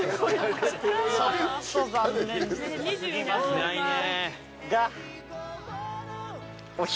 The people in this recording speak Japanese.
いないね。